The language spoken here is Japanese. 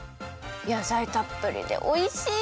やさいたっぷりでおいしい！